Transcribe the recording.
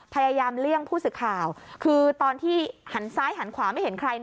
เลี่ยงผู้สื่อข่าวคือตอนที่หันซ้ายหันขวาไม่เห็นใคร